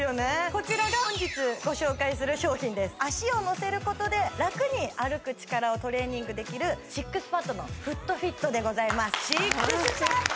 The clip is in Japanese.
こちらが本日ご紹介する商品です足を乗せることでラクに歩く力をトレーニングできるＳＩＸＰＡＤのＦｏｏｔＦｉｔでございますＳＩＸＰＡＤ！